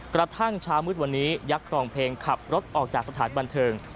กระทั่งเช้ามืดวันนี้ยักษรองเพลงขับรถออกจากสถานบันเทิง